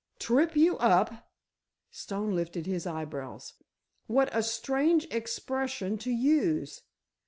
"Trip you up!" Stone lifted his eyebrows. "What a strange expression to use.